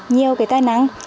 nhiều cái tài năng